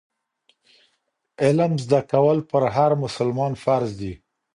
علم زده کول پر هر مسلمان فرض دي.